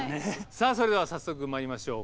さあそれでは早速まいりましょう。